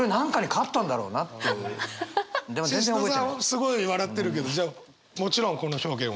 すごい笑ってるけどもちろんこの表現は？